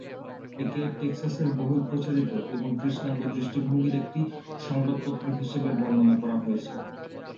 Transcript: একে "টেক্সাসের বহুল প্রচারিত এবং কৃষ্ণাঙ্গ দৃষ্টিভঙ্গির একটি সংবাদপত্র" হিসাবে বর্ণনা করা হয়েছে।